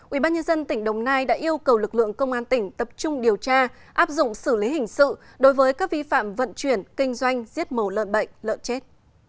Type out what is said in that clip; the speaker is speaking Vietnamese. ubnd tỉnh đồng nai đã yêu cầu lực lượng công an tỉnh tập trung điều tra áp dụng xử lý hình sự đối với các vi phạm vận chuyển kinh doanh giết mổ lợn bệnh lợn chết